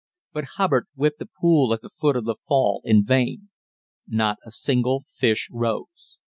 But Hubbard whipped the pool at the foot of the fall in vain. Not a single fish rose.